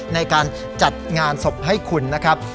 ในการจัดงานศพให้คุณนะครับ